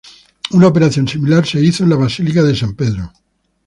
Una operación similar se hizo en la Basílica de San Pedro.